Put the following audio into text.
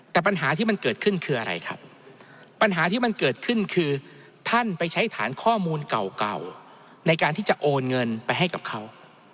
แต่ปัญหาที่มันเกิดขึ้นคืออะไรครับปัญหาที่มันเกิดขึ้นคือท่านไปใช้ฐานข้อมูลเก่าในการที่จะโอนเงินไปให้กับเขา